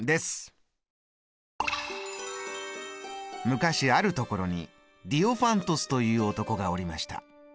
昔あるところにディオファントスという男がおりました。